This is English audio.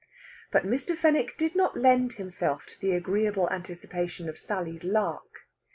But Mr. Fenwick did not lend himself to the agreeable anticipation of Sally's "lark."